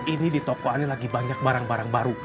ini di toko anda lagi banyak barang barang baru